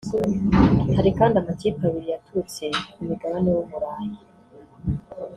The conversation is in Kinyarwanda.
Hari kandi amakipe abiri yaturutse ku mugabane w’Uburayi